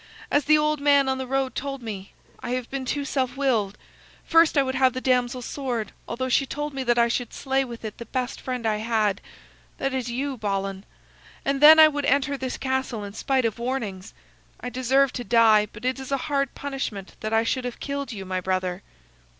"As the old man on the road told me, I have been too self willed. First, I would have the damsel's sword, although she told me that I should slay with it the best friend I had. That is you, Balan. And then I would enter this castle in spite of warnings. I deserve to die, but it is a hard punishment that I should have killed you, my brother."